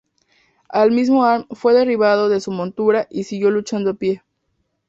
El mismo Arn fue derribado de su montura y siguió luchando a pie.